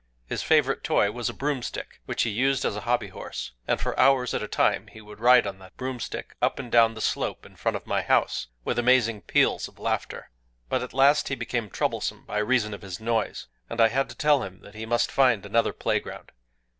His favorite toy was a broomstick, which he used as a hobby horse; and for hours at a time he would ride on that broomstick, up and down the slope in front of my house, with amazing peals of laughter. But at last he became troublesome by reason of his noise; and I had to tell him that he must find another playground.